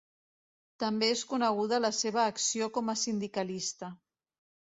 També és coneguda la seva acció com a sindicalista.